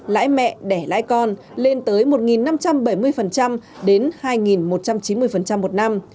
lãi mẹ đẻ lãi con lên tới một năm trăm bảy mươi đến hai một trăm chín mươi một năm